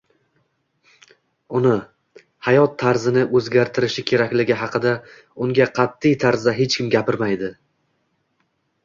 uni — hayot tarzini o‘zgartirishi kerakligi haqida unga qat’iy tarzda hech kim gapirmaydi.